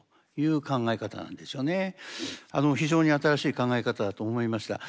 あの非常に新しい考え方だと思いました。